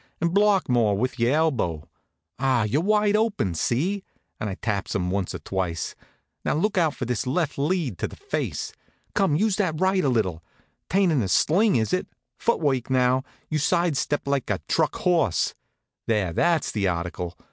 "And block more with your elbow. Ah, you're wide open see?" and I taps him once or twice. "Now look out for this left lead to the face. Come, use that right a little. 'Tain't in a sling, is it? Foot work, now. You side step like a truck horse. There, that's the article.